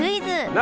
何？